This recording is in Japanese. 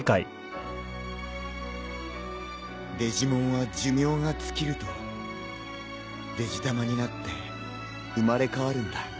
デジモンは寿命が尽きるとデジタマになって生まれ変わるんだ。